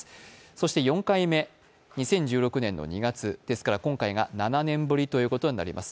そして４回目、２０１６年の１２月ですから今回が７年ぶりということになります。